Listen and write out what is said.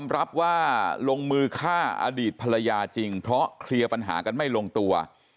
รับว่าลงมือฆ่าอดีตภรรยาจริงเพราะเคลียร์ปัญหากันไม่ลงตัว